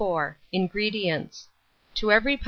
INGREDIENTS. To every lb.